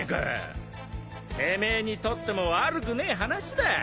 てめえにとっても悪くねえ話だ